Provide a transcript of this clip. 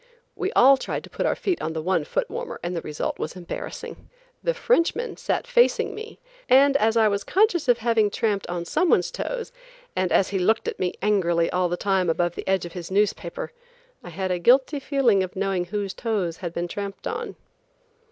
We all tried to put our feet on the one foot warmer and the result was embarrassing. The Frenchman sat facing me and as I was conscious of having tramped on someone's toes, and as he looked at me angrily all the time above the edge of his newspaper, I had a guilty feeling of knowing whose toes had been tramped on.